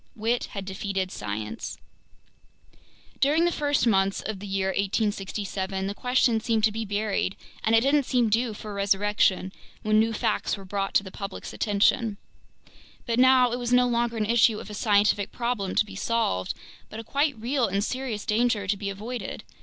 Wit had defeated science. *German: "Bulletin." Ed. During the first months of the year 1867, the question seemed to be buried, and it didn't seem due for resurrection, when new facts were brought to the public's attention. But now it was no longer an issue of a scientific problem to be solved, but a quite real and serious danger to be avoided.